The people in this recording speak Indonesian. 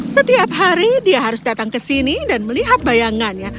setiap hari dia harus datang ke sini dan melihat bayangannya